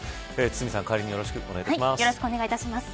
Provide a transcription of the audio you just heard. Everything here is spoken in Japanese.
堤さん代わりによろしくお願いいたします。